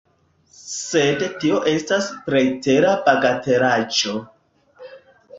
Sed tio estas pretera bagatelaĵo.